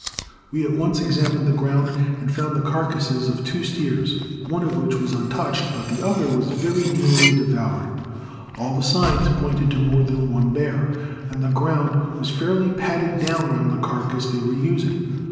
We at once examined the ground, and found the carcasses of two steers, one of which was untouched, but the other was very nearly devoured. All the signs pointed to more than one bear, and the ground was fairly padded down round the carcass they were using.